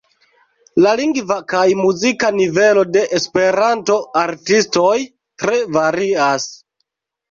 La lingva kaj muzika nivelo de Esperanto-artistoj tre varias.